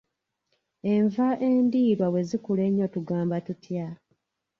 Enva endiirwa bwe zikula ennyo tugamba tutya?